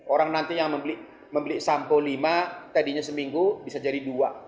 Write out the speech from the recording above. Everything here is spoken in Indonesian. orang nanti yang membeli sampo lima tadinya seminggu bisa jadi dua